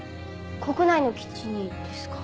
国内の基地にですか？